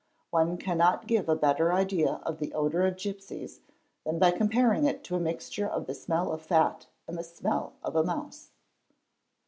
One cannot give a better idea of the odour of gipsies than by comparing it to a mixture of the smell of fat and the smell of a mouse.